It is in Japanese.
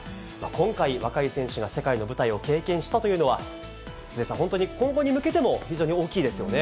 今回、若い選手が世界の舞台を経験したというのは、鈴江さん、本当に今後に向けても非常に大きいですよね。